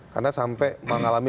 karena sampai mengalami